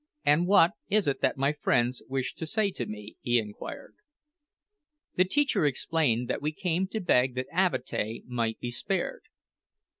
"And what, is it that my friends wish to say to me?" he inquired. The teacher explained that we came to beg that Avatea might be spared.